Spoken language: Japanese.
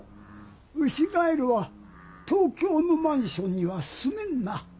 ウシガエルは東京のマンションにはすめんな。